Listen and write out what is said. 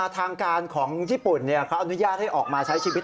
ทางการของญี่ปุ่นเขาอนุญาตให้ออกมาใช้ชีวิต